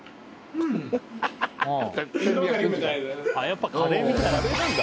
あっやっぱカレーみたいだ。